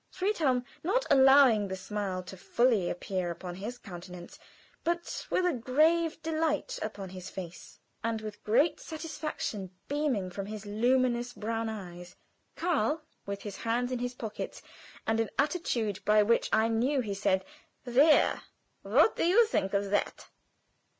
Friedhelm not allowing the smile to fully appear upon his countenance, but with a grave delight upon his face, and with great satisfaction beaming from his luminous brown eyes. Karl with his hands in his pockets, and an attitude by which I knew he said, "There! what do you think of that?"